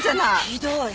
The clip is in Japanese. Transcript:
ひどい！